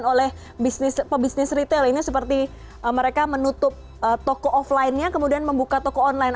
dan oleh pebisnis retail ini seperti mereka menutup toko offline nya kemudian membuka toko online